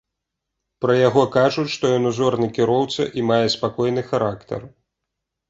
Пра яго кажуць, што ён узорны кіроўца і мае спакойны характар.